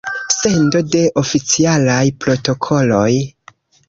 Sendo de oficialaj protokoloj.